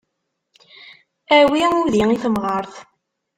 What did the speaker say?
Awi udi i temɣart.